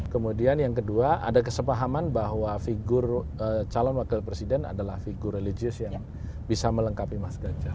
kemudian yang kedua ada kesepahaman bahwa figur calon wakil presiden adalah figur religius yang bisa melengkapi mas ganjar